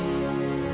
kita jumpa besok ya